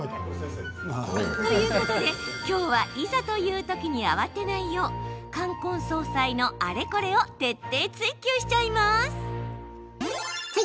ということで、きょうはいざというときに慌てないよう冠婚葬祭のあれこれを徹底「ツイＱ」しちゃいます。